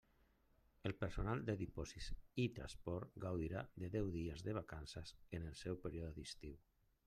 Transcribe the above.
El personal de Dipòsits i Transport gaudirà de deu dies de vacances en el període d'estiu.